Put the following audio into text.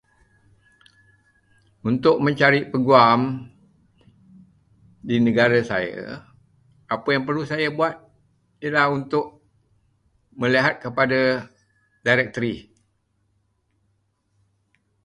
Untuk mencari peguam di negara saya, apa yang perlu saya buat ialah untuk melihat kepada directory.